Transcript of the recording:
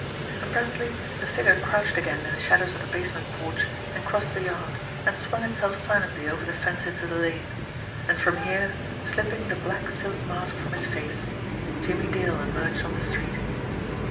And presently a figure crouched again in the shadows of the basement porch, and crossed the yard, and swung itself silently over the fence into the lane and from here, slipping the black silk mask from his face, Jimmie Dale emerged on the street.